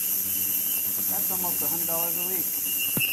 That's almost a hundred dollars a week!